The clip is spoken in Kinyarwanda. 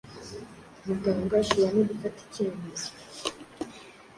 muganga ashobora no gufata icyemezo